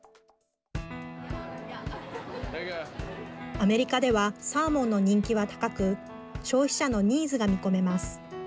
アメリカではサーモンの人気は高く消費者のニーズが見込めます。